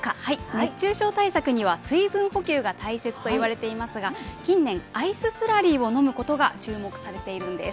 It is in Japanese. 熱中症対策には水分補給が大切といわれていますが、近年、アイススラリーを飲むことが注目されているんです。